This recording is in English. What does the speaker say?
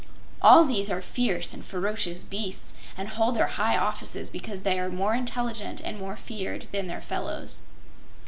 All these are fierce and ferocious beasts, and hold their high offices because they are more intelligent and more feared then their fellows.